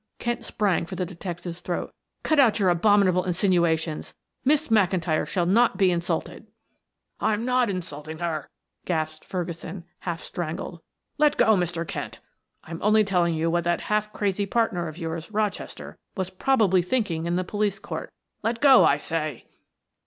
Kent sprang for the detective's throat. "Cut out your abominable insinuations. Miss McIntyre shall not be insulted." "I'm not insulting her," gasped Ferguson, half strangled. "Let go, Mr. Kent. I'm only telling you what that half crazy partner of yours, Rochester, was probably thinking in the police court. Let go, I say."